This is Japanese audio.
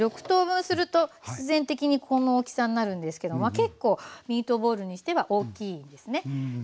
６等分すると必然的にこの大きさになるんですけど結構ミートボールにしては大きいですね。